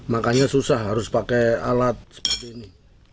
makanya susah harus pakai alat seperti ini